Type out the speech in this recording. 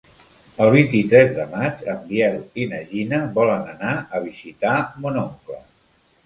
El vint-i-tres de maig en Biel i na Gina volen anar a visitar mon oncle.